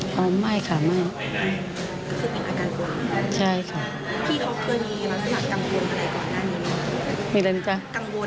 กังวลเกี่ยวกับโรค